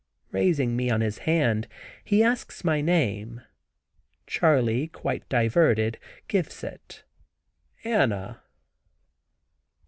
Raising me on his hand, he asks my name. Charley, quite diverted, gives it, "Anna."